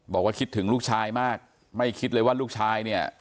บอกว่าคิดถึงลูกชายมากไม่คิดเลยว่าลูกชายเนี่ย